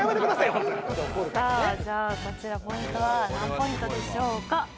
さあじゃあこちらポイントは何ポイントでしょうか？